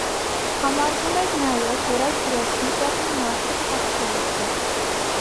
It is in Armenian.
Համարվում էր նաև, որ այդ դրոշմի տեղում մարդը ցավ չէր զգում։